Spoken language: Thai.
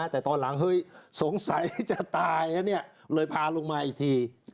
แต่ตอนหลังสงสัยจะตายเลยพาลงมาอีกที